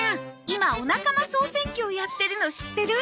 今おなかま総選挙をやってるの知ってる？